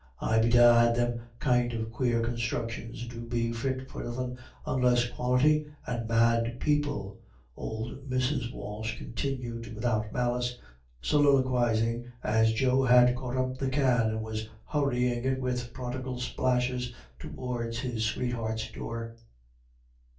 Ay, bedad, them kind of quare consthructions do be fit for nothin' unless Quality and mad people," old Mrs. Walsh continued, without malice, soliloquising, as Joe had caught up the can, and was hurrying it with prodigal splashes towards his sweetheart's door.